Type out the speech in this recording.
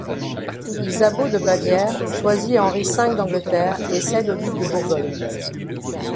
Isabeau de Bavière choisit Henri V d'Angleterre et cède au duc de Bourgogne.